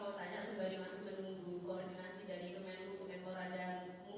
pak kalau tanya sebagai masyarakat yang menunggu koordinasi dari kementerian hukum memorandum